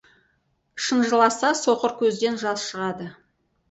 Шын жыласа, соқыр көзден жас шығады.